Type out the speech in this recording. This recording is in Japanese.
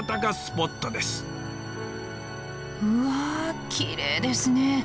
うわきれいですね！